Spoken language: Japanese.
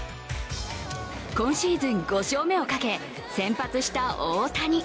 今シーズン５勝目をかけ、先発した大谷。